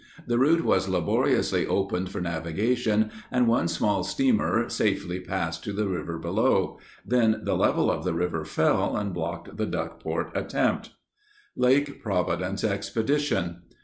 The route was laboriously opened for navigation and one small steamer safely passed to the river below. Then the level of the river fell and blocked the Duckport attempt. LAKE PROVIDENCE EXPEDITION.